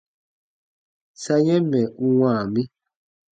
Sa yɛ̃ mɛ̀ u wãa mi.